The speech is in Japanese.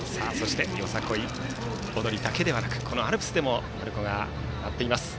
よさこい踊りだけではなくこのアルプスでも鳴子がなっています。